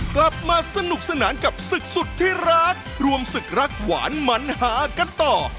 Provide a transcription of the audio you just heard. กลับมาสนุกสนานกับศึกสุดที่รักรวมศึกรักหวานมันหากันต่อ